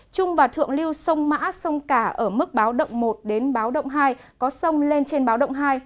trung và thượng lưu sông mã sông cả ở mức báo động một đến báo động hai có sông lên trên báo động hai